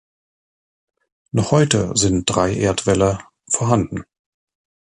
Noch heute sind drei Erdwälle vorhanden.